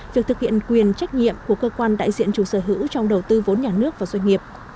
việc thực hiện quyền trách nhiệm của cơ quan đại diện chủ sở hữu trong đầu tư vốn nhà nước vào doanh nghiệp